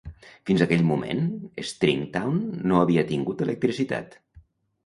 Fins aquell moment, Stringtown no havia tingut electricitat.